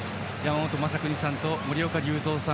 山本昌邦さんと森岡隆三さん